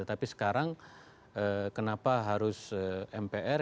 tapi sekarang kenapa harus mpr